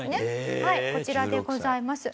こちらでございます。